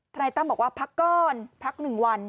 นายตั้มบอกว่าพักก่อนพัก๑วัน